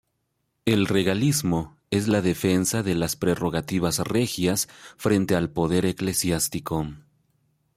El regalismo es la defensa de las prerrogativas regias frente al poder eclesiástico.